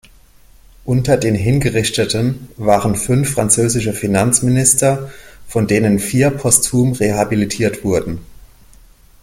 Unter den Hingerichteten waren fünf französische Finanzminister, von denen vier postum rehabilitiert wurden.